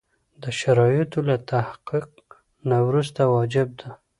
د شرایطو له تحقق نه وروسته واجب ده.